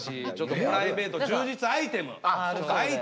プライベート充実アイテム。